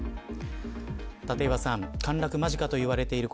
立岩さん、陥落間近と言われている